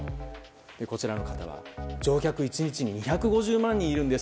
こちらの方は、乗客は１日に２５０万人いるんです。